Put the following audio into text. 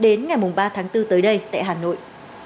đến ngày ba tháng bốn tới đây tại hà nội